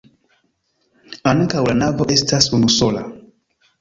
Ankaŭ la navo estas unusola.